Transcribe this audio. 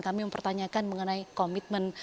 kami mempertanyakan mengenai komitmen